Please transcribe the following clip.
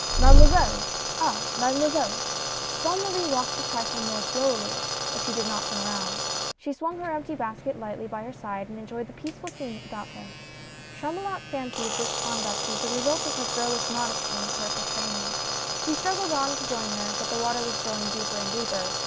" Mademoiselle — Ah ! Mademoiselle !" Bonne Marie walked a trifle more slowly, but she did not turn around. She swung her empty basket lightly by her side, and enjoyed the peaceful scene about her. Chamulot fancied this conduct was the result of her girlish modesty and careful training. He struggled on to join her but the water was growing deeper and deeper.